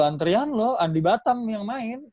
antrian loh andi batam yang main